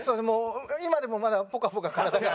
今でもまだポカポカ体が。